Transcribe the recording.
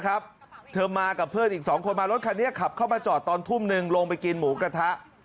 เธอมากับเพื่อนอีก๒คนมารถคันนี้ขับเข้ามาจอดตอนทุ่มหนึ่งลงไปกินหมูกระทะ